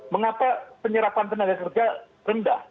mengapa penyerapan tenaga kerja rendah